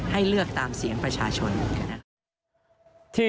ให้เลือกตามเสียงประชาชน